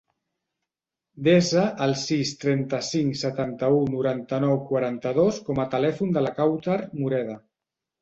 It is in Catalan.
Desa el sis, trenta-cinc, setanta-u, noranta-nou, quaranta-dos com a telèfon de la Kawtar Moreda.